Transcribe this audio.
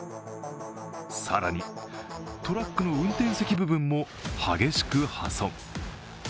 更に、トラックの運転席部分も激しく破損。